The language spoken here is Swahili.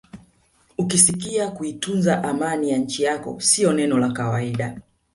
Ukisikia kuitunza amani ya nchi yako sio neno la kawaida